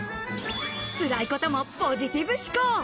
辛いこともポジティブ思考。